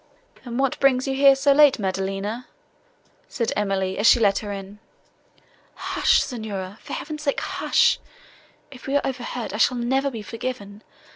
"And what brings you here so late, Maddelina?" said Emily, as she let her in. "Hush! signora, for heaven's sake hush!—if we are overheard I shall never be forgiven.